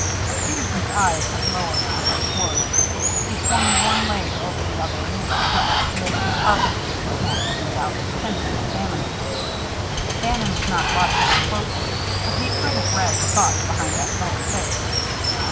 Peterson's eyes had lowered at the first words. He swung one leg over the other and picked up the list of carpenters that Max had made out, pretending to examine it. Bannon was not watching him closely, but he could have read the thoughts behind that sullen face.